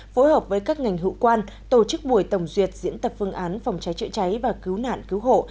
phối hợp với các ngành hữu quan tổ chức buổi tổng duyệt diễn tập phương án phòng cháy chữa cháy và cứu nạn cứu hộ